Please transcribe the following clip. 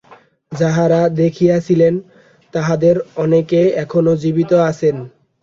যাঁহারা দেখিয়াছিলেন, তাঁহাদের অনেকে এখনও জীবিত আছেন।